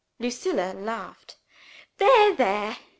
Lucilla laughed. "There! there!